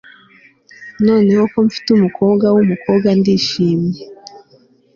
Noneho ko mfite umukobwa wumukobwa ndishimye